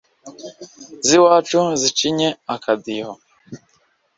z'iwacu zicinye akadiho